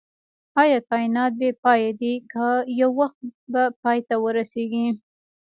ايا کائنات بی پایه دی که يو وخت به پای ته ورسيږئ